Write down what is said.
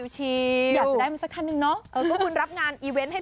อยากจะได้มันสักคันหนึ่งเนาะ